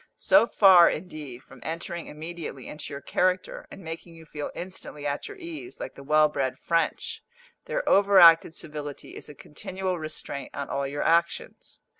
So far, indeed, from entering immediately into your character, and making you feel instantly at your ease, like the well bred French, their over acted civility is a continual restraint on all your actions.